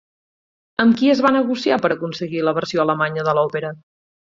Amb qui es va negociar per aconseguir la versió alemanya de l'òpera?